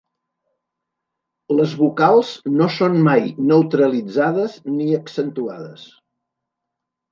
Les vocals no són mai neutralitzades ni accentuades.